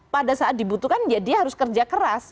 pada saat dibutuhkan ya dia harus kerja keras